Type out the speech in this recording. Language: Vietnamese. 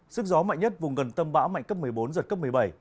sức gió mạnh nhất vùng gần tâm bão mạnh cấp một mươi bốn giật cấp một mươi bảy